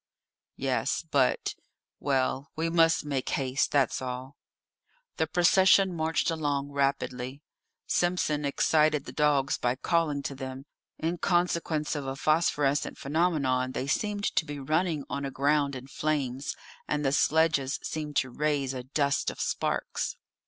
"Yes; but well, we must make haste, that's all." The procession marched along rapidly; Simpson excited the dogs by calling to them; in consequence of a phosphorescent phenomenon they seemed to be running on a ground in flames, and the sledges seemed to raise a dust of sparks.